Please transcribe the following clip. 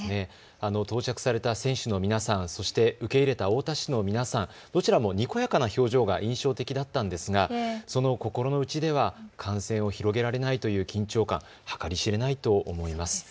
到着された選手の皆さん、そして受け入れた太田市の皆さん、どちらもにこやかな表情が印象的だったんですが、その心の内では感染を広げられないという緊張、計り知れないと思います。